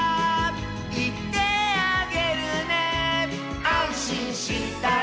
「いってあげるね」「あんしんしたら」